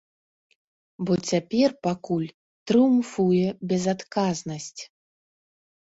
Бо цяпер пакуль трыумфуе безадказнасць.